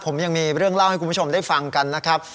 ผมยังมีเรื่องเล่าให้คุณผู้ชมได้ฟังกันนะครับ